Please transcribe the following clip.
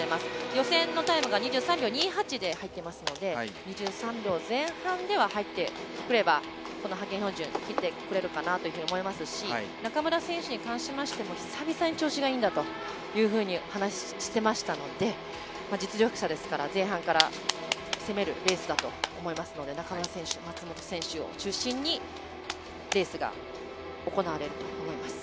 予選のタイムが２３秒２８で入ってますので２３秒前半では入ってくれば派遣標準、切ってこれるかなと思いますし中村選手に関しましても久々に調子がいいんだと話をしていましたので実力者ですから前半から攻めるレースだと思いますから中村選手、松元選手中心にレースが行われると思います。